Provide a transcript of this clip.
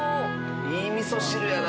いい味噌汁やな。